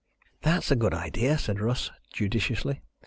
"That's a good idea," said Russ, judiciously.